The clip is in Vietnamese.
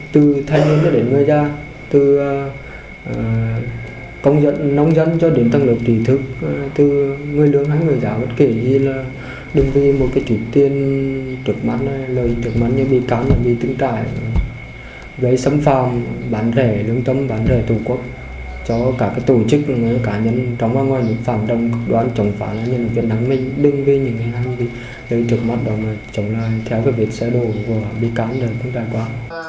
từ thanh niên đến người gia từ công dân nông dân cho đến tầng lực trí thức từ người lương hay người giáo bất kỳ gì là đừng vì một cái chủ tiên trực mắt lời trực mắt như bị cám bị tưng trải gây xâm phạm bán rẻ lương tâm bán rẻ tù quốc cho cả tổ chức người cá nhân trong và ngoài những phạm đồng cực đoan chống phá nhân viên hãng minh đừng vì những cái hãng lời trực mắt đó mà chống lại theo cái việc xe đồ bị cám bị tưng trải quá